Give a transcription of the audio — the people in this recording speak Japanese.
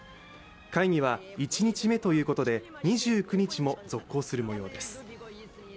会議は１日目ということで、２９日も続行するもようです。